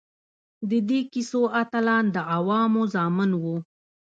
د دې کیسو اتلان د عوامو زامن وو.